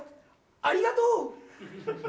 ありがとう。